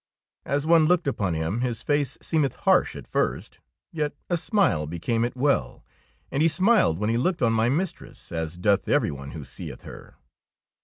As one looked upon him, his face seemeth harsh at first, yet a smile be came it well, and he smiled when he looked on my mistress, as doth every one who seeth her.